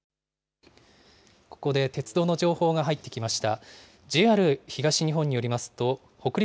ここで鉄道の情報が入ってきました。